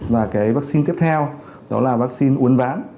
và cái vaccine tiếp theo đó là vaccine uốn ván